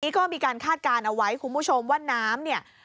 ก็มีการคาดการณ์เอาไว้คุณผู้ชมว่าน้ำเนี่ย